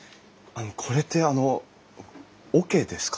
これってあの桶ですか？